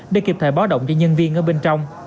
để kịp thời báo động cho nhân viên ở bên trong